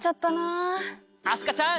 明日香ちゃん！